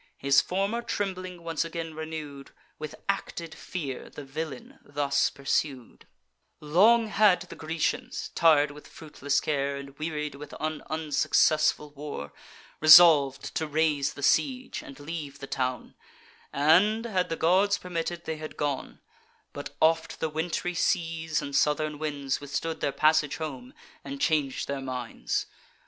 His former trembling once again renew'd, With acted fear, the villain thus pursued: "'Long had the Grecians (tir'd with fruitless care, And wearied with an unsuccessful war) Resolv'd to raise the siege, and leave the town; And, had the gods permitted, they had gone; But oft the wintry seas and southern winds Withstood their passage home, and chang'd their minds.